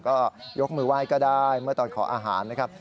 ก็ยกมือไหว้ก็ได้เมื่อตอนขออาหารนะครับ